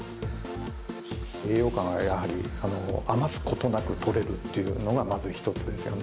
栄養価がやはり、余すことなくとれるっていうのがまず一つですよね。